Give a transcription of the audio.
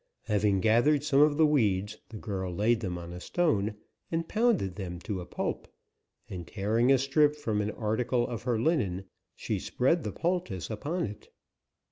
Having gathered some of the weeds, the girl laid them on a stone and pounded them to a pulp, and, tearing a strip from an article of her linen, she spread the poultice upon it.